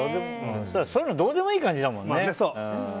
そういうのどうでもいい感じだもんね。